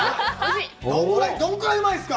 どれくらいうまいですか？